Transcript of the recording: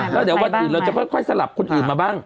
แล้วเดี๋ยววันอื่นเราจะค่อยสลับคนอื่นมาบ้าง